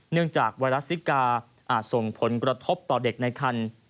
จากไวรัสซิกาอาจส่งผลกระทบต่อเด็กในคัน